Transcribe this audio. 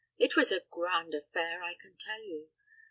It was a grand affair, I can tell you.